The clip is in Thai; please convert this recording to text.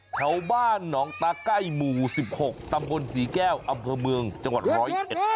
แถวบ้านหนองตาใกล้หมู่๑๖ตำบลศรีแก้วอำเภอเมืองจังหวัดร้อยเอ็ด